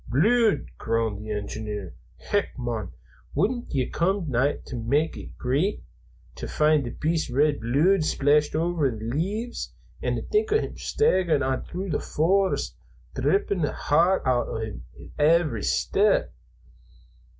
"Bluid!" groaned the engineer. "Hech, mon, wouldna that come nigh to mak' ye greet, to find the beast's red bluid splashed over the leaves, and think o' him staggerin' on thro' the forest, drippin' the heart oot o' him wi' every step?"